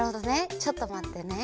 ちょっとまってね。